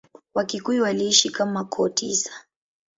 Wakikuyu waliishi kama koo tisa.